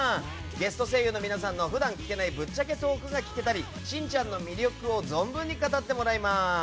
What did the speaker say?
ゲスト声優の皆さんの普段聞けないぶっちゃけトークが聞けたりしんちゃんの魅力を存分に語ってもらいます。